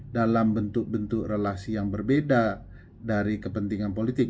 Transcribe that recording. dalam bentuk bentuk relasi yang berbeda dari kepentingan politik